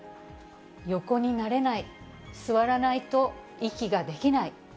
横になれない・座らないと息ができない。